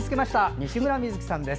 西村美月さんです。